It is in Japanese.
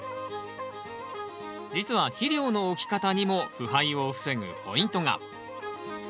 実は肥料の置き方にも腐敗を防ぐポイントが。